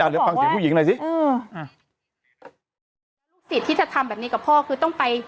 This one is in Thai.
เดี๋ยวฟังเสียงผู้หญิงหน่อยสิอืมลูกศิษย์ที่จะทำแบบนี้กับพ่อคือต้องไป